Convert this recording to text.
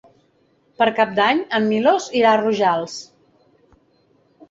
Per Cap d'Any en Milos irà a Rojals.